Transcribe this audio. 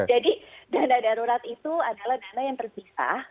jadi dana darurat itu adalah dana yang terpisah